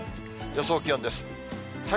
予想気温です。